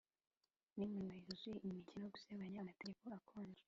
n'iminwa yuzuye inkeke, no gusebanya amategeko akonje,